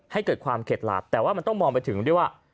ให้เกิดความเข็ดหลาบแต่ว่ามันต้องมองไปถึงด้วยว่า